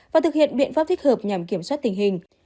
và thực hiện biện pháp thích hợp nhằm kiểm soát tình hình